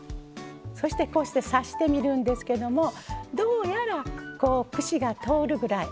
そしてこうして刺してみるんですけどもどうやらこう串が通るぐらい。